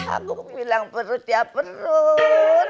aku bilang perut ya perut